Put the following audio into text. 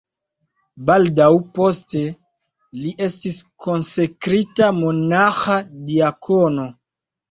Baldaŭ poste, li estis konsekrita monaĥa diakono.